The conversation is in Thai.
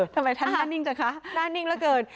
ทำไมท่านหน้านิ่งจังคะหน้านิ่งเหลือเกิน